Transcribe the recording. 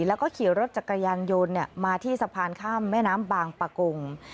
แล้วก็ขี่รถจักรยานยนต์มาที่สะพานข้ามแม่น้ำบางปะกง